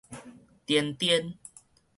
顛顛